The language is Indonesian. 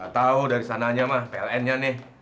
gak tau dari sananya mah plnnya nih